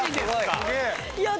はい。